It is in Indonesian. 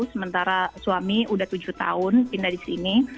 sementara suami sudah tujuh tahun pindah di sini